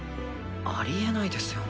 ありえないですよ。